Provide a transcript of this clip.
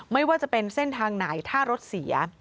ไม่ว่าจะเป็นเส้นทางไหนถ้ารถเสีย